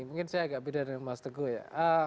mungkin saya agak beda dengan mas teguh ya